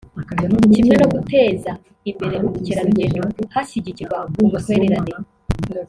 kimwe no guteza imbere ubukerarugendo hashyigikirwa ubutwererane